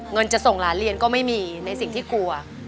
เงินจะส่งหลานเรียนก็ไม่มีในสิ่งที่กลัว